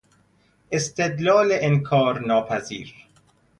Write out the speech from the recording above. استدلال انکار ناپذیر